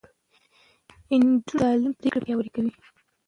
د نجونو تعليم پرېکړې پياوړې کوي.